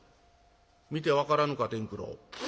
「見て分からぬか伝九郎。